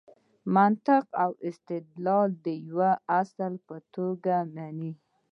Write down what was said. منطق او استدلال د یوه اصل په توګه مني.